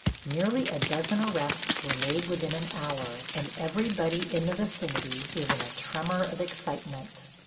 Nearly a dozen arrests were made within an hour, and everybody in the vicinity was in a tremor of excitement.